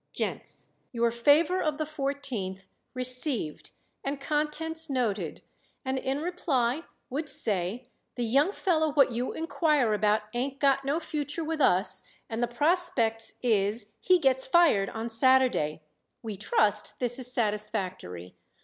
Gents: Your favor of the 14th inst. received and contents noted and in reply would say the young fellow what you inquire about ain't got no future with us and the prospects is he gets fired on Saturday. We trust this is satisfactory.